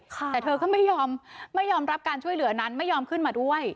แต่เธอก็ไม่ยอมไม่ยอมรับการช่วยเหลือนั้นไม่ยอมขึ้นมาด้วย